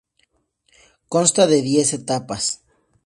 Consta de diez etapas.